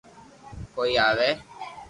ڪوئي آوي